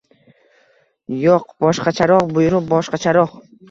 — Yo‘q, boshqacharoq buyruq, boshqacharoq...